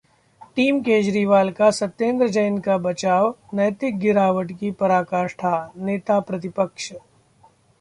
team Kejriwal का सत्येन्द्र जैन का बचाव नैतिक गिरावट की पराकाष्ठा: नेता प्रतिपक्ष